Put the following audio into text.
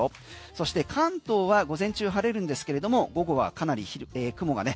そして関東は午前中晴れるんですけれども午後はかなり広い雲がね